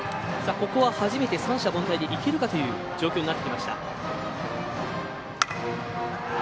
ここは初めて三者凡退でいけるかという状況になってきました。